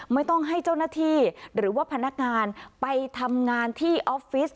ไม่ต้องให้เจ้าหน้าที่หรือว่าพนักงานไปทำงานที่ออฟฟิศ